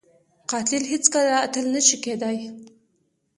قاتل هیڅ کله اتل نه شي کېدای